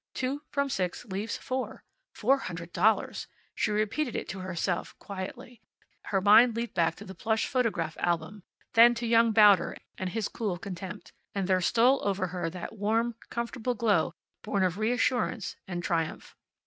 Two from six leaves four. Four hundred dollars! She repeated it to herself, quietly. Her mind leaped back to the plush photograph album, then to young Bauder and his cool contempt. And there stole over her that warm, comfortable glow born of reassurance and triumph.